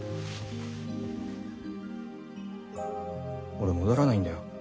俺戻らないんだよ